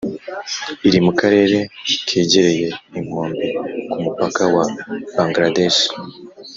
iri mu karere kegereye inkombe ku mupaka wa Bangaladeshi